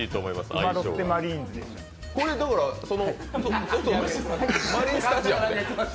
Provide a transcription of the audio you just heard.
千葉ロッテマリーンズでしたっけ？